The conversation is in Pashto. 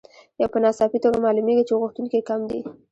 په ناڅاپي توګه معلومېږي چې غوښتونکي کم دي